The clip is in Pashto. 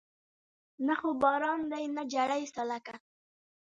نه خو باران دی نه جړۍ سالکه